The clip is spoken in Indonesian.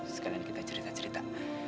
sekarang kita cerita cerita